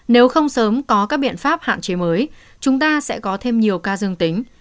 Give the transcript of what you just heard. nếu không sớm có các biện pháp hạn chế mới chúng ta sẽ có thêm nhiều ca dương tính